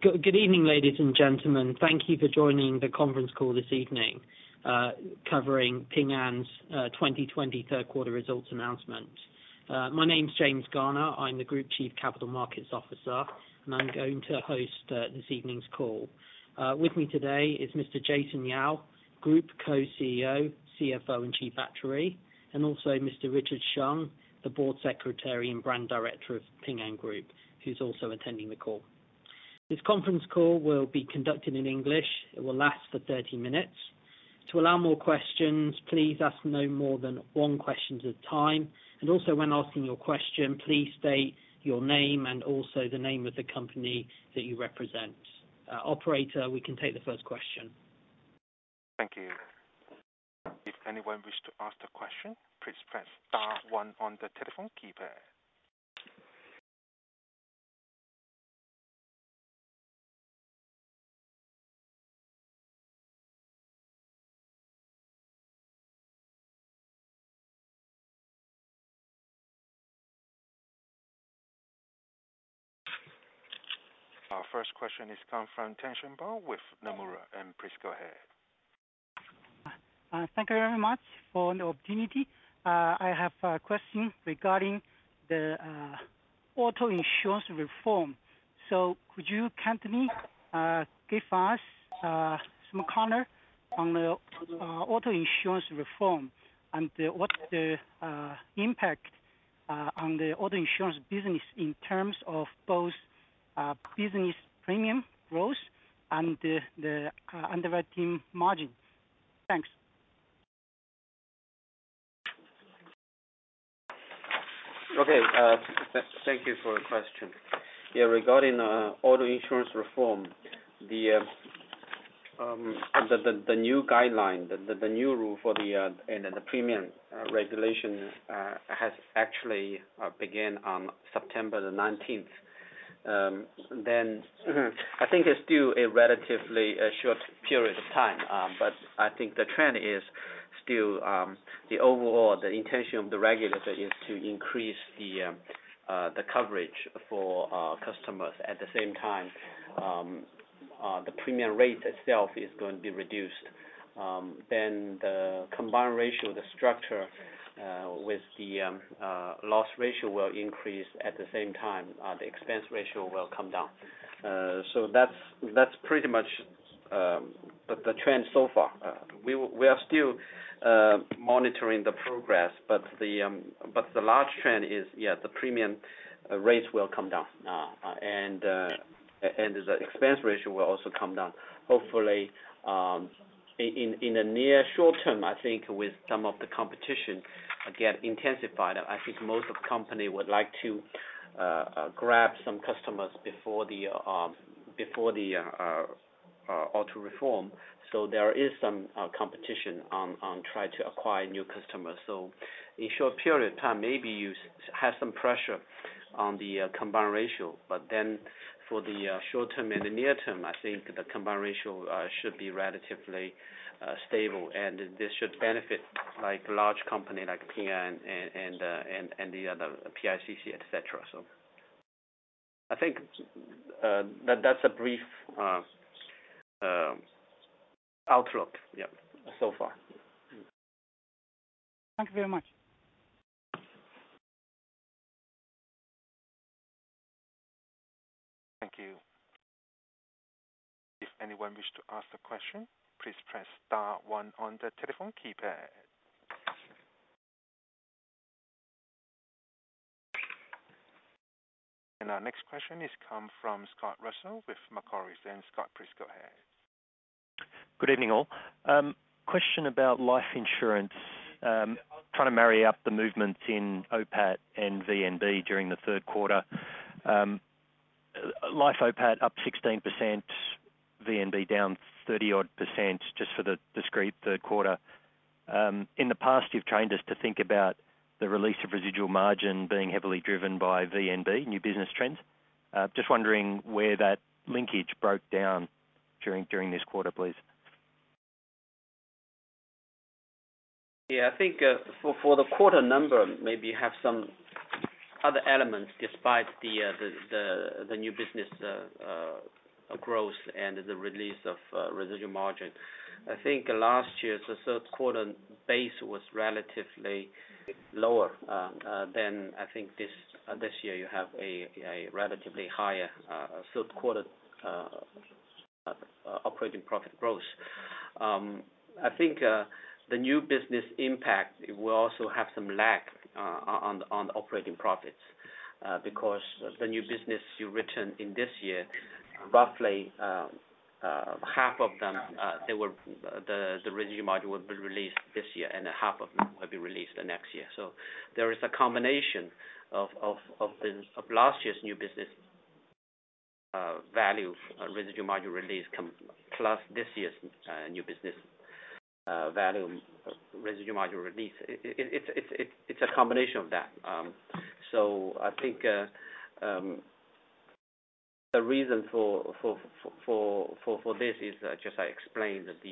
Good evening, ladies and gentlemen. Thank you for joining the conference call this evening, covering Ping An's 2023 third quarter results announcement. My name's James Garner. I'm the Group Chief Capital Markets Officer, and I'm going to host this evening's call. With me today is Mr. Jason Yao, Group Co-CEO, CFO, and Chief Actuary, and also Mr. Richard Sheng, the Board Secretary and Brand Director of Ping An Group, who's also attending the call. This conference call will be conducted in English. It will last for 30 minutes. To allow more questions, please ask no more than one question at a time, and also when asking your question, please state your name and also the name of the company that you represent. Operator, we can take the first question. Thank you. If anyone wish to ask the question, please press star one on the telephone keypad. Our first question is come from Tianxin Bao with Nomura, and please go ahead. Thank you very much for the opportunity. I have a question regarding the auto insurance reform. So could you, company, give us some color on the auto insurance reform and what the impact on the auto insurance business in terms of both business premium growth and the underwriting margin? Thanks. Okay, thank you for the question. Yeah, regarding auto insurance reform, the new guideline, the new rule for the premium regulation has actually began on September 19th. Then, I think it's still a relatively short period of time, but I think the trend is still the overall intention of the regulator is to increase the coverage for customers. At the same time, the premium rate itself is going to be reduced. Then the combined ratio structure with the loss ratio will increase. At the same time, the expense ratio will come down. So that's pretty much the trend so far. We are still monitoring the progress, but the large trend is, yeah, the premium rates will come down, and the expense ratio will also come down. Hopefully, in the near short term, I think with some of the competition, again, intensified, I think most of company would like to grab some customers before the auto reform. So there is some competition on trying to acquire new customers. So in short period of time, maybe you have some pressure on the combined ratio, but then for the short term and the near term, I think the combined ratio should be relatively stable, and this should benefit like large company like Ping An and the other PICC, et cetera. So I think, that, that's a brief, outlook. Yeah. So far. Thank you very much. Thank you. If anyone wish to ask the question, please press star one on the telephone keypad. Our next question is come from Scott Russell with Macquarie, and Scott, please go ahead. Good evening, all. Question about life insurance. Trying to marry up the movement in OPAT and VNB during the third quarter. Life OPAT up 16%, VNB down 30-odd%, just for the discrete third quarter. In the past, you've trained us to think about the release of residual margin being heavily driven by VNB, new business trends. Just wondering where that linkage broke down during, during this quarter, please? Yeah, I think, for the quarter number, maybe have some other elements despite the new business growth and the release of residual margin. I think last year, the third quarter base was relatively lower than I think this year you have a relatively higher third quarter operating profit growth. I think the new business impact will also have some lag on the operating profits because the new business you written in this year, roughly, half of them they were the residual margin will be released this year, and half of them will be released the next year. So there is a combination of last year's new business value residual margin release from, plus this year's new business value residual margin release. It's a combination of that. So I think the reason for this is just as I explained that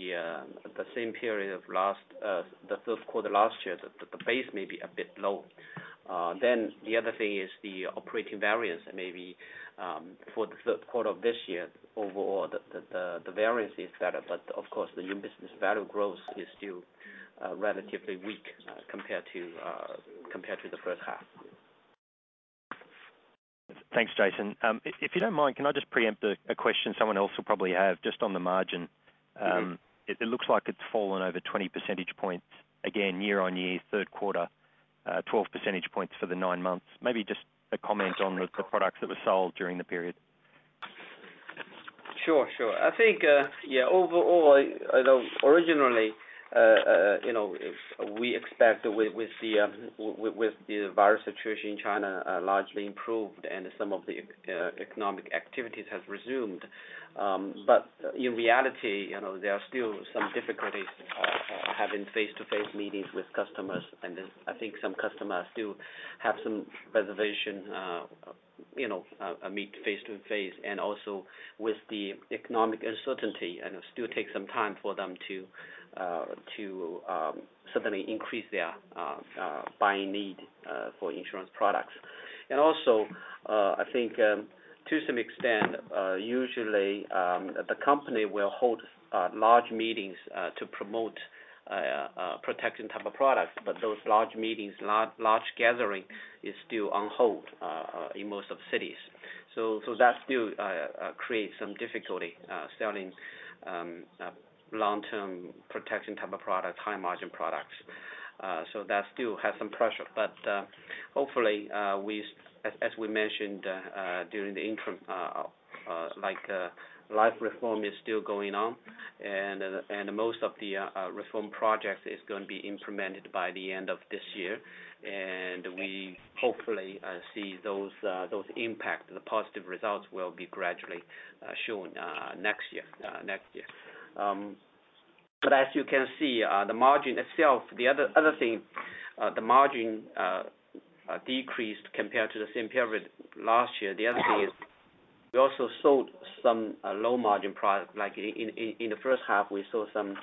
the same period of last, the third quarter last year, the base may be a bit low. Then the other thing is the operating variance, maybe for the third quarter of this year, overall, the variance is better, but of course, the new business value growth is still relatively weak compared to the first half. Thanks, Jason. If you don't mind, can I just preempt a question someone else will probably have just on the margin? Mm-hmm. It looks like it's fallen over 20 percentage points again, year-on-year, third quarter, 12 percentage points for the nine months. Maybe just a comment on the products that were sold during the period. Sure, sure. I think, yeah, overall, although originally, you know, we expect with the virus situation in China largely improved and some of the economic activities has resumed. But in reality, you know, there are still some difficulties having face-to-face meetings with customers. And then I think some customers still have some reservation, you know, meet face-to-face, and also with the economic uncertainty, and it still takes some time for them to suddenly increase their buying need for insurance products. And also, I think, to some extent, usually, the company will hold large meetings to promote protection type of products, but those large meetings, large gathering is still on hold in most of cities. So that still creates some difficulty selling long-term protection type of products, high margin products. So that still has some pressure. But hopefully, as we mentioned during the interim, like life reform is still going on, and most of the reform projects is going to be implemented by the end of this year. And we hopefully see those impact, the positive results will be gradually shown next year, next year. But as you can see, the margin itself, the other thing, the margin decreased compared to the same period last year. The other thing is, we also sold some low-margin product, like in the first half, we saw some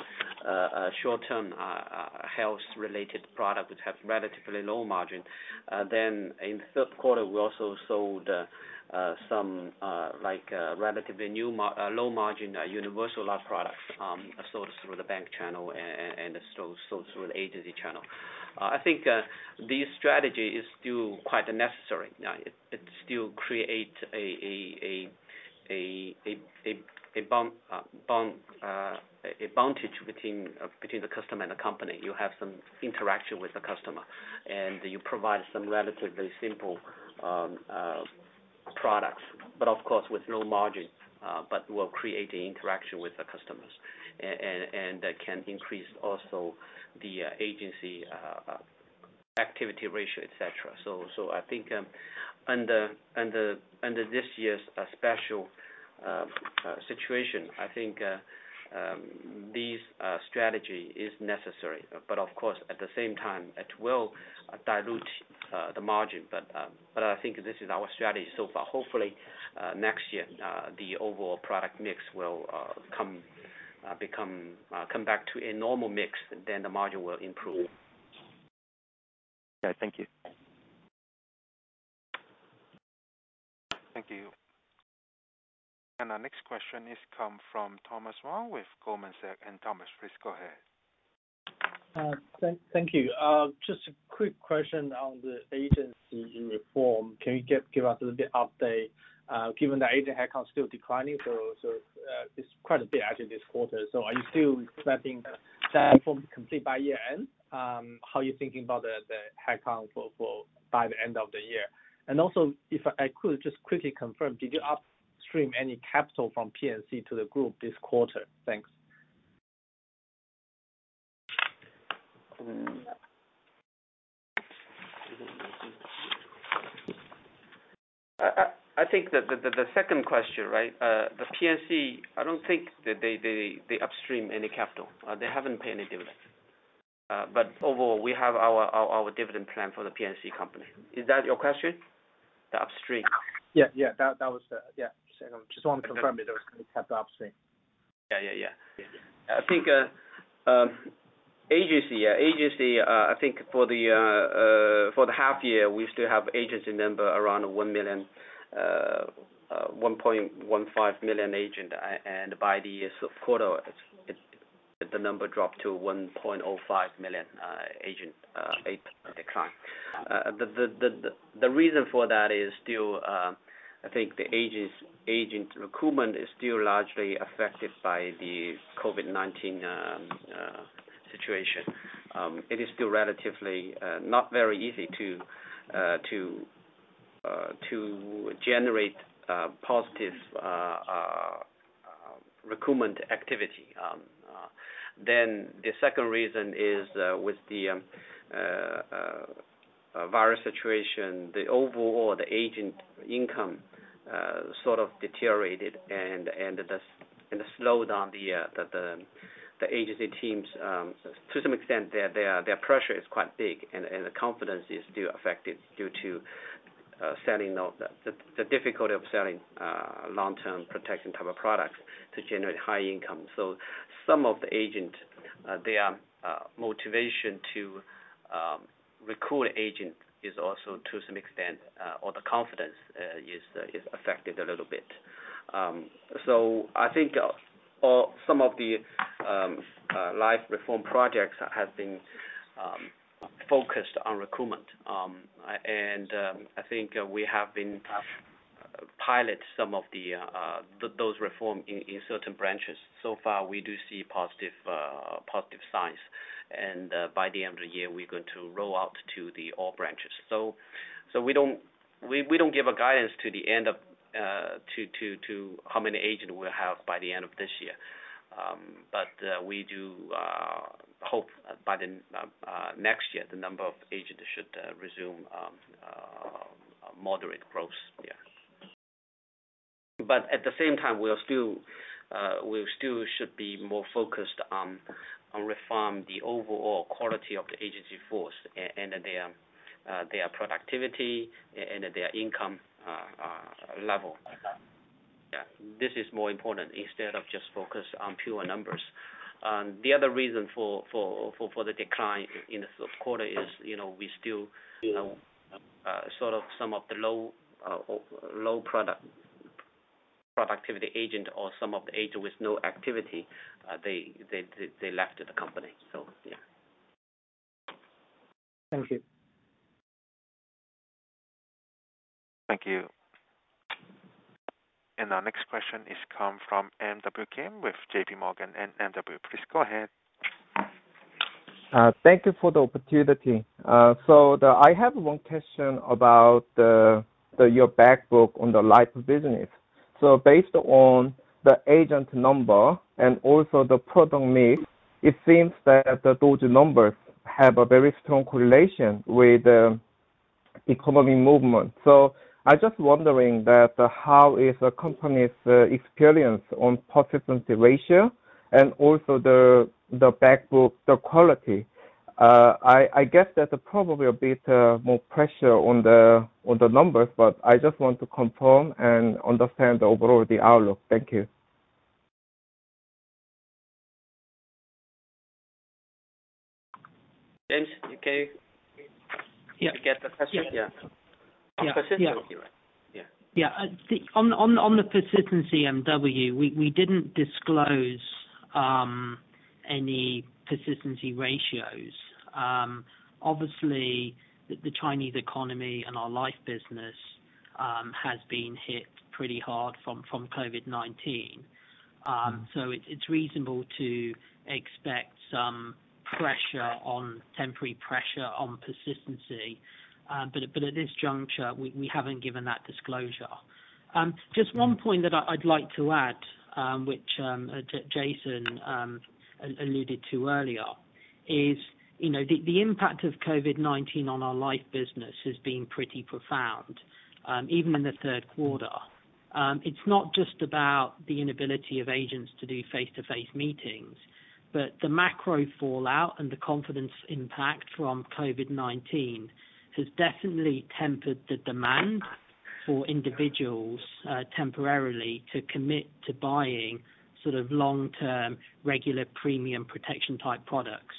short-term health-related product, which have relatively low margin. Then in the third quarter, we also sold some like relatively new low margin universal life products, sold through the bank channel and sold through the agency channel. I think this strategy is still quite necessary. It still create a bump, a advantage between the customer and the company. You have some interaction with the customer, and you provide some relatively simple products, but of course, with no margin, but will create the interaction with the customers. And that can increase also the agency activity ratio, et cetera. So, I think under this year's special situation, I think this strategy is necessary. But of course, at the same time, it will dilute the margin. But, but I think this is our strategy so far. Hopefully, next year, the overall product mix will come back to a normal mix, then the margin will improve. Okay, thank you. Thank you. Our next question comes from Thomas Wang with Goldman Sachs, and Thomas, please go ahead. Thank you. Just a quick question on the agency reform. Can you give us a little bit update, given the agent headcount is still declining, so it's quite a bit actually this quarter. Are you still expecting that reform to complete by year-end? How are you thinking about the headcount by the end of the year? And also, if I could just quickly confirm, did you upstream any capital from P&C to the group this quarter? Thanks. I think the second question, right, the P&C, I don't think that they upstream any capital. They haven't paid any dividends. But overall, we have our dividend plan for the P&C company. Is that your question? The upstream? Just want to confirm that there was any capital upstream. Yeah, yeah, yeah. I think for the half year, we still have agency number around 1 million, 1.15 million agents, and by the third quarter, the number dropped to 1.05 million agents, 8% decline. The reason for that is still, I think the agent recruitment is still largely affected by the COVID-19 situation. It is still relatively not very easy to generate positive recruitment activity. Then the second reason is, with the virus situation, the overall agent income sort of deteriorated and the slowdown the agency teams, to some extent, their pressure is quite big and the confidence is still affected due to the difficulty of selling long-term protection type of products to generate high income. So some of the agent their motivation to recruit agent is also to some extent or the confidence is affected a little bit. So I think some of the life reform projects have been focused on recruitment. And I think we have been pilot some of those reform in certain branches. So far, we do see positive, positive signs, and, by the end of the year, we're going to roll out to the all branches. So we don't give a guidance to the end of, to how many agent we'll have by the end of this year. But we do hope by the next year, the number of agents should resume moderate growth. Yeah. But at the same time, we are still, we still should be more focused on reform the overall quality of the agency force and their productivity and their income level. Yeah, this is more important instead of just focus on pure numbers. The other reason for the decline in this quarter is, you know, we still, you know, sort of some of the low productivity agent or some of the agent with no activity; they left the company. So, yeah. Thank you. Thank you. Our next question comes from MW Kim with J.P. Morgan, and MW, please go ahead. Thank you for the opportunity. So, I have one question about the, the, your back book on the life business. So based on the agent number and also the product mix, it seems that those numbers have a very strong correlation with economy movement. So I just wondering that, how is the company's experience on persistency ratio and also the back book, the quality? I guess that probably a bit more pressure on the numbers, but I just want to confirm and understand overall the outlook. Thank you. James, did you get- Yeah. Did you get the question? Yeah. On persistency, right? Yeah. Yeah. On the persistency, MW, we didn't disclose any persistency ratios. Obviously, the Chinese economy and our life business has been hit pretty hard from COVID-19. So it's reasonable to expect some temporary pressure on persistency. But at this juncture, we haven't given that disclosure. Just one point that I'd like to add, which Jason alluded to earlier, is, you know, the impact of COVID-19 on our life business has been pretty profound, even in the third quarter. It's not just about the inability of agents to do face-to-face meetings, but the macro fallout and the confidence impact from COVID-19 has definitely tempered the demand for individuals temporarily to commit to buying sort of long-term, regular premium protection type products.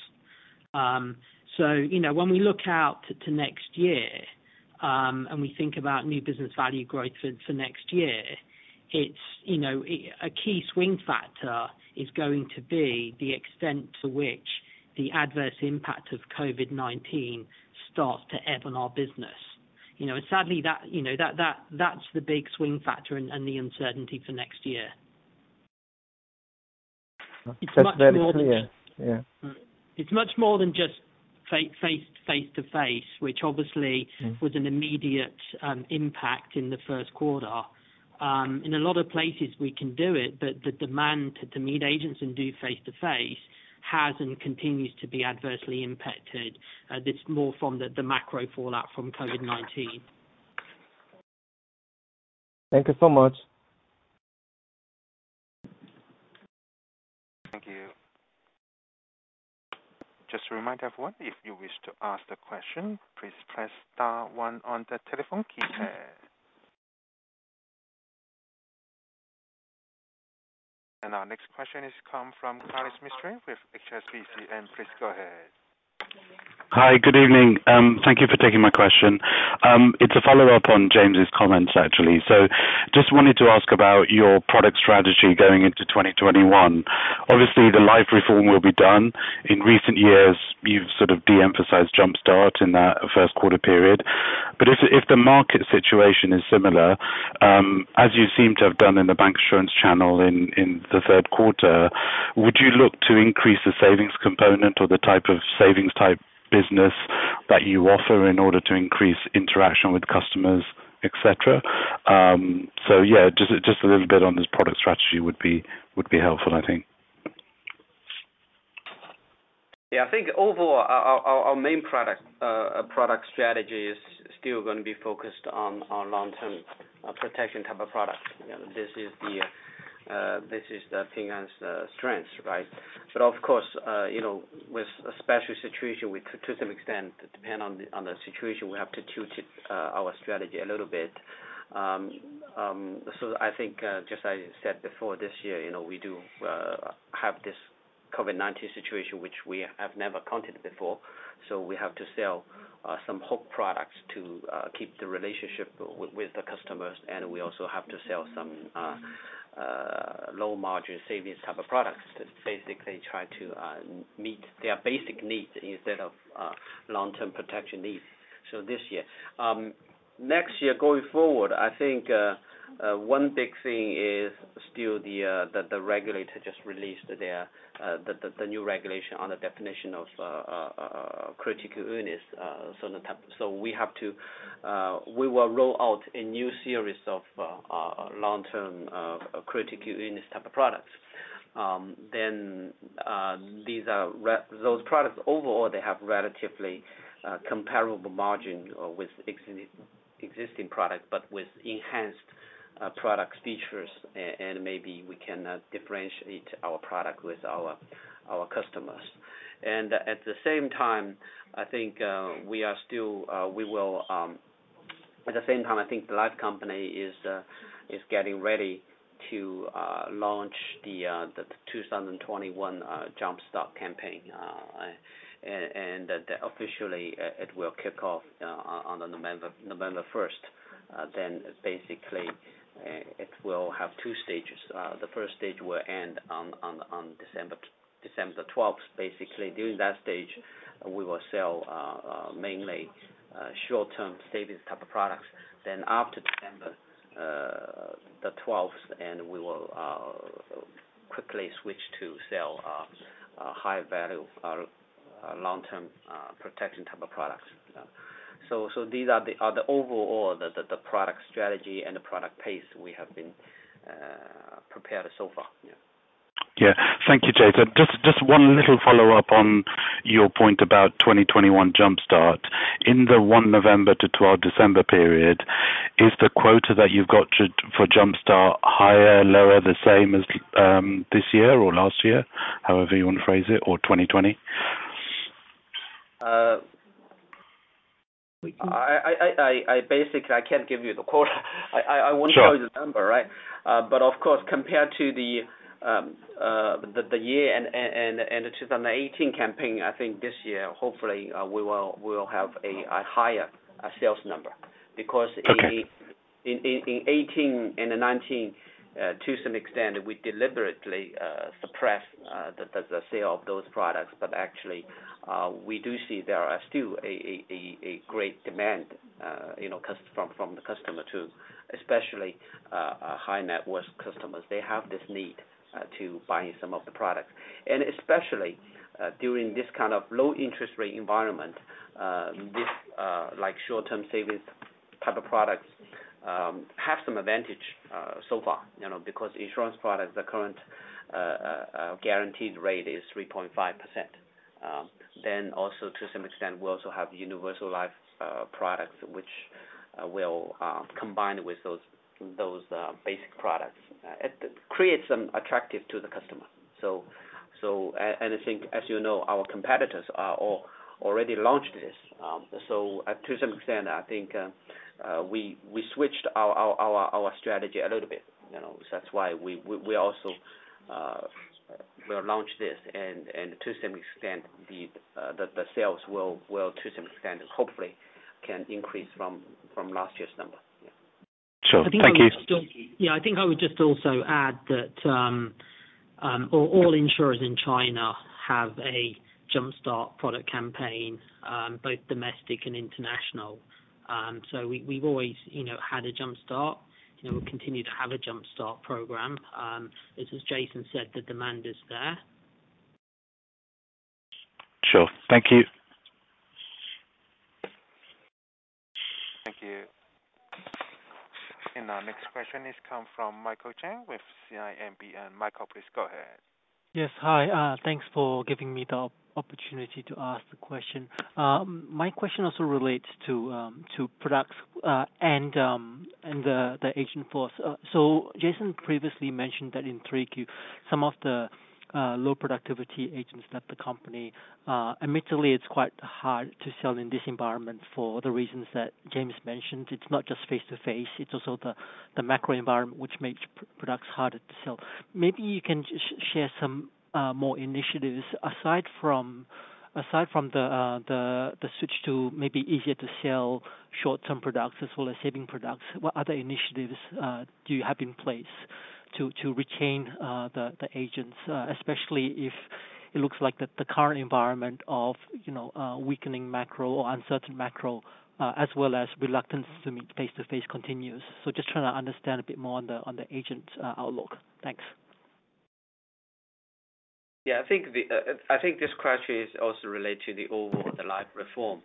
So, you know, when we look out to next year, and we think about new business value growth for next year, it's, you know, a key swing factor is going to be the extent to which the adverse impact of COVID-19 starts to ebb on our business. You know, and sadly, that, you know, that's the big swing factor and the uncertainty for next year. That's very clear. Yeah. It's much more than just face-to-face, which obviously- Mm-hmm... was an immediate impact in the first quarter. In a lot of places we can do it, but the demand to meet agents and do face-to-face has and continues to be adversely impacted. This more from the macro fallout from COVID-19. Thank you so much. Thank you. Just a reminder for everyone, if you wish to ask a question, please press star one on the telephone keypad. And our next question comes from Kailesh Mistry with HSBC, and please go ahead. Hi, good evening. Thank you for taking my question. It's a follow-up on James's comments, actually. So just wanted to ask about your product strategy going into 2021. Obviously, the life reform will be done. In recent years, de-emphasize Jumpstart in that first quarter period. But if the market situation is similar, as you seem to have done in the bank insurance channel in the third quarter, would you look to increase the savings component or the type of savings type business that you offer in order to increase interaction with customers, et cetera? So yeah, just a little bit on this product strategy would be helpful, I think. Yeah, I think overall our main product strategy is still gonna be focused on long-term protection type of products. You know, this is the Ping An's strength, right? But of course, you know, with a special situation, we to some extent depend on the situation, we have to tune our strategy a little bit. So I think just I said before this year, you know, we do have this COVID-19 situation, which we have never encountered before. So we have to sell some hope products to keep the relationship with the customers, and we also have to sell some low margin savings type of products to basically try to meet their basic needs instead of long-term protection needs. So this year. Next year, going forward, I think, one big thing is still the regulator just released their new regulation on the definition of critical illness. So the type... So we have to, we will roll out a new series of long-term critical illness type of products. Then, these are ra- those products overall, they have relatively comparable margin with exi- existing products, but with enhanced products features, a-and maybe we can differentiate our product with our customers. At the same time, I think, we are still, we will... At the same time, I think the life company is getting ready to launch the 2021 Jumpstart campaign. And officially, it will kick off on November 1st. Then basically, it will have two stages. The first stage will end on December the twelfth. Basically, during that stage, we will sell mainly short-term savings type of products. Then after December the twelfth, and we will quickly switch to sell a high value long-term protection type of products. So these are the overall product strategy and the product pace we have been prepared so far. Yeah. Yeah. Thank you, Jason. Just, just one little follow-up on your point about 2021 Jumpstart. In the 1 November to 12 December period, is the quota that you've got to for Jumpstart higher, lower, the same as this year or last year? However you want to phrase it, or 2020. I basically can't give you the quota. I want- Sure. - to tell you the number, right? But of course, compared to the year and the 2018 campaign, I think this year, hopefully, we will have a higher sales number. Because- Okay... in 2018 and in 2019, to some extent, we deliberately suppressed the sale of those products. But actually, we do see there are still a great demand, you know, from the customer to especially high net worth customers. They have this need to buying some of the products. And especially, during this kind of low interest rate environment, this like short-term savings type of products have some advantage, so far, you know, because insurance products, the current guaranteed rate is 3.5%. Then also to some extent, we also have universal life products, which will combine with those basic products. It creates some attractive to the customer. And I think, as you know, our competitors are already launched this. So to some extent, I think, we switched our strategy a little bit, you know. That's why we also will launch this and, to some extent, the sales will, to some extent, hopefully can increase from last year's number. Yeah. Sure. Thank you. Yeah, I think I would just also add that, all insurers in China have a Jumpstart product campaign, both domestic and international. So we, we've always, you know, had a Jumpstart, you know, we continue to have a Jumpstart program. As Jason said, the demand is there. Sure. Thank you. Thank you. Our next question comes from Michael Chang with CIMB. Michael, please go ahead. Yes, hi. Thanks for giving me the opportunity to ask the question. My question also relates to products and the agent force. So Jason previously mentioned that in 3Q, some of the low productivity agents left the company. Admittedly, it's quite hard to sell in this environment for the reasons that James mentioned. It's not just face-to-face, it's also the macro environment, which makes products harder to sell. Maybe you can share some more initiatives aside from the switch to maybe easier to sell short-term products as well as saving products. What other initiatives do you have in place to retain the agents, especially if it looks like the current environment of, you know, weakening macro or uncertain macro, as well as reluctance to meet face-to-face continues? So just trying to understand a bit more on the agent outlook. Thanks. Yeah, I think the, I think this question is also related to the overall, the life reform.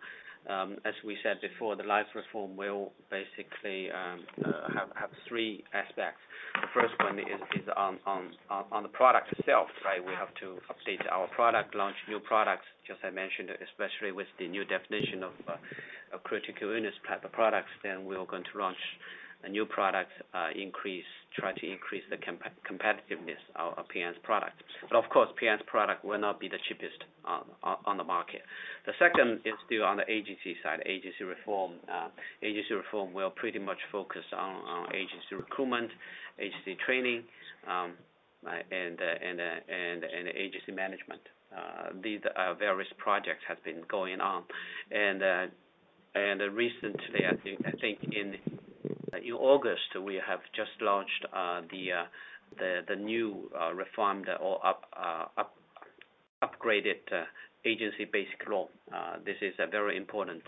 As we said before, the life reform will basically have three aspects. The first one is on the product itself, right? We have to update our product, launch new products, just I mentioned, especially with the new definition of critical illness type of products, then we are going to launch a new product, try to increase the competitiveness of P&C's product. But of course, P&C's product will not be the cheapest on the market. The second is still on the agency side, agency reform. Agency reform will pretty much focus on agency recruitment, agency training, and agency management. These various projects have been going on. And recently, I think in August, we have just launched the new reformed or upgraded Agency Basic Law. This is a very important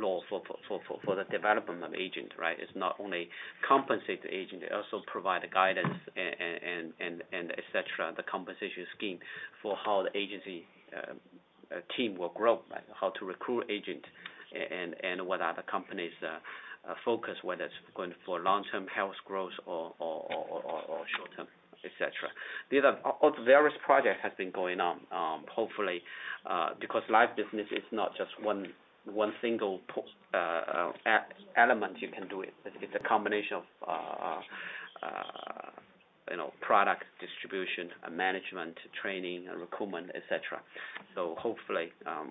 law for the development of agent, right? It's not only compensate the agent, it also provide the guidance and et cetera, the compensation scheme for how the agency team will grow, how to recruit agent and what other companies focus, whether it's going for long-term health growth or short-term, et cetera. These are all the various projects have been going on, hopefully, because life business is not just one single element you can do it. It's a combination of, you know, product distribution, management, training, and recruitment, et cetera. So hopefully,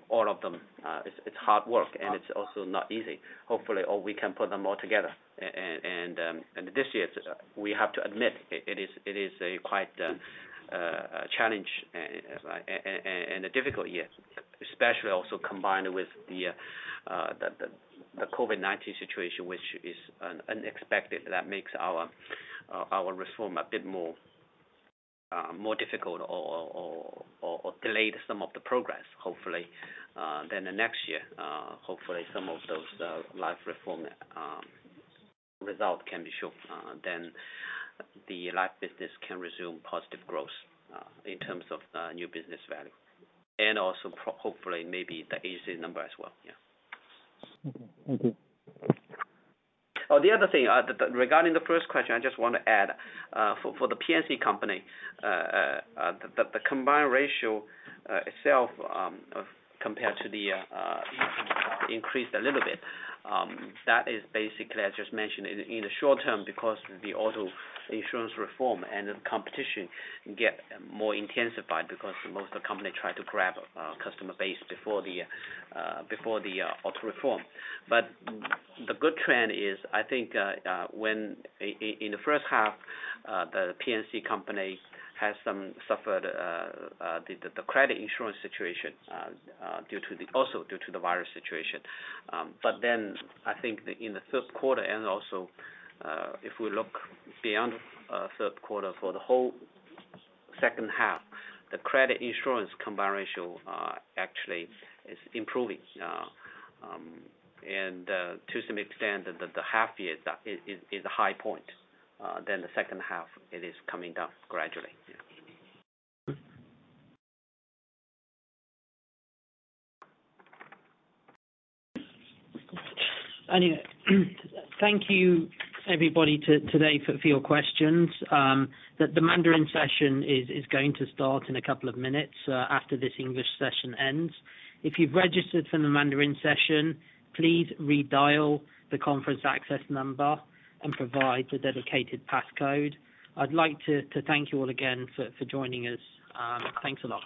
all of them, it's, it's hard work, and it's also not easy. Hopefully, all we can put them all together. And this year, we have to admit it, it is, it is a quite a challenge and a difficult year, especially also combined with the COVID-19 situation, which is unexpected. That makes our reform a bit more difficult or delayed some of the progress. Hopefully, then the next year, hopefully, some of those life reform result can be shown, then the life business can resume positive growth, in terms of new business value, and also hopefully, maybe the agency number as well. Yeah. Okay. Thank you. Oh, the other thing, regarding the first question, I just want to add, for the P&C company, the combined ratio itself compared to the increased a little bit. That is basically, I just mentioned, in the short term, because the auto insurance reform and the competition get more intensified because most of the company try to grab customer base before the auto reform. But the good trend is, I think, when in the first half, the P&C company has some suffered the credit insurance situation due to also due to the virus situation. But then I think in the third quarter, and also, if we look beyond third quarter for the whole second half, the credit insurance combined ratio actually is improving, and to some extent, the half year is a high point. Then the second half, it is coming down gradually. Okay. Thank you everybody today for your questions. The Mandarin session is going to start in a couple of minutes after this English session ends. If you've registered for the Mandarin session, please redial the conference access number and provide the dedicated passcode. I'd like to thank you all again for joining us. Thanks a lot.